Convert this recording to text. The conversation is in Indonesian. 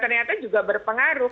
ternyata juga berpengaruh